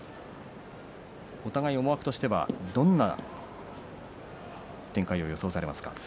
お互い、思惑としてはどんな展開を予想されますか？